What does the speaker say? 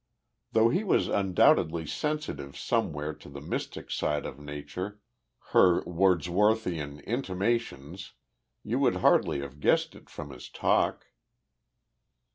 Though he was undoubtedly sensitive somewhere to the mystic side of Nature, her Wordsworthian "intimations," you would hardly have guessed it from his talk.